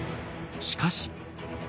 しかし。